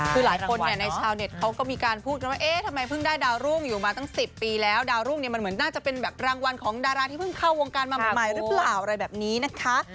คือหลายคนเนี่ยในชาวเน็ตเขาก็มีการพูดกันว่าเอ๊ะทำไมเพิ่งได้ดาวรุ่งอยู่มาตั้ง๑๐ปีแล้วดาวรุ่งเนี่ยมันเหมือนน่าจะเป็นแบบรางวัลของดาราที่เพิ่งเข้าวงการมาใหม่หรือเปล่าอะไรแบบนี้นะคะ